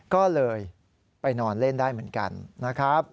ก็เลยไปนอนเล่นได้เหมือนกันนะครับ